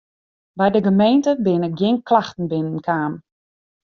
By de gemeente binne gjin klachten binnen kaam.